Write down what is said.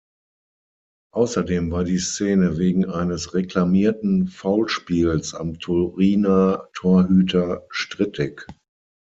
Außerdem war die Szene wegen eines reklamierten Foulspiels am Turiner Torhüter strittig.